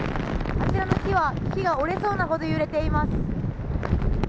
あちらの木は折れそうなくらい揺れています。